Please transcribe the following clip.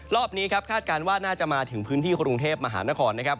รอบนี้ครับคาดการณ์ว่าน่าจะมาถึงพื้นที่กรุงเทพมหานครนะครับ